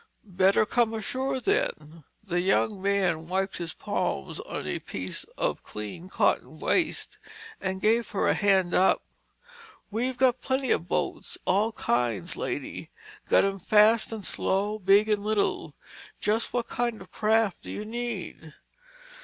"Better come ashore, then." The man wiped his palms on a piece of clean cotton waste and gave her a hand up. "We've got plenty of boats—all kinds, lady. Got 'em fast and slow, big and little. Just what kind of a craft do you need?"